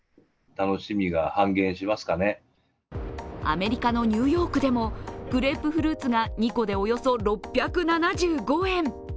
アメリカのニューヨークでもグレープフルーツが２個でおよそ６７５円。